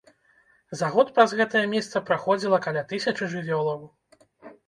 За год праз гэтае месца праходзіла каля тысячы жывёлаў.